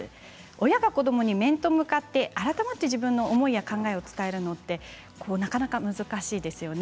親が子どもに面と向かって改まって自分の思いや考えを伝えるのってなかなか難しいですよね。